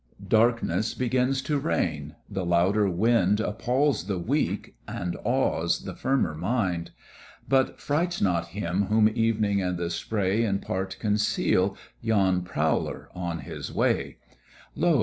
Darkness begins to reign; the louder wind Appals the weak and awes the firmer mind; But frights not him whom evening and the spray In part conceal yon Prowler on his way: Lo!